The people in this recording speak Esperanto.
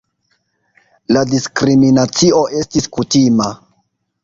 La diskriminacio estis kutima.